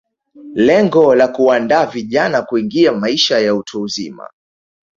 Lengo la kuwaandaa vijana kuingia maisha ya utu uzima